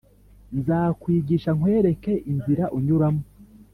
nzakwigisha nkwereke inzira unyuramo